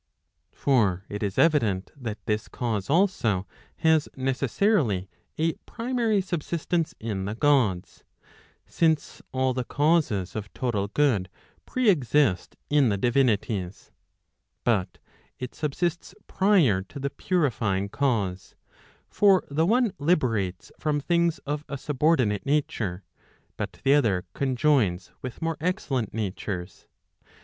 For it is evident that this cause also has necessarily a primary subsist¬ ence in the Gods; since all the causes of total good preexist in the divinities. But it subsists prior to the purifying cause. For the one liberates from things of a subordinate nature, but the other conjoins with more excellent natures.